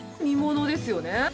煮物ですよね。